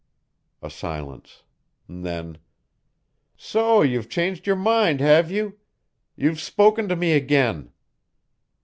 A silence. Then: "So you've changed your mind, have you? You've spoken to me again!"